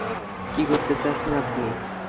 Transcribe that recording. কী করতে চাচ্ছেন আপনি?